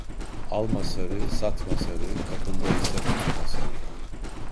Alma sarı, satma sarı, kapındaysa tutma sarı.